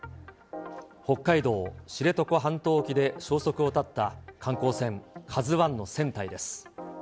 北海道知床半島沖で消息を絶った観光船カズワンの船体です。